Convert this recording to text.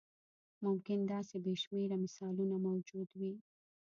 ممکن داسې بې شمېره مثالونه موجود وي.